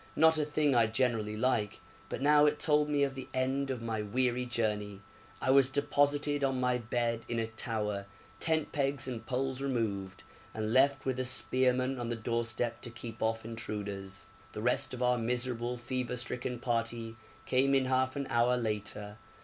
not a thing I generally like, but now it told me of the end of my weary journey. I was deposited on my bed in a tower, tent pegs and poles removed, and left with a spearman on the doorstep to keep off intruders. The rest of our miserable fever stricken party came in half an hour later.